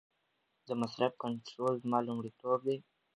د مصرف کنټرول زما لومړیتوب دی.